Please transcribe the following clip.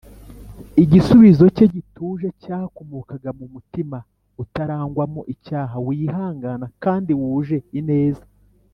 igisubizo cye gituje cyakomokaga mu mutima utarangwamo icyaha, wihangana kandi wuje ineza